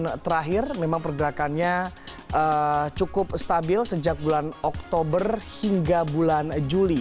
terakhir memang pergerakannya cukup stabil sejak bulan oktober hingga bulan juli